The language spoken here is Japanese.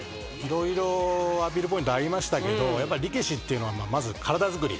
色々アピールポイントありましたけど力士っていうのはまず体づくり。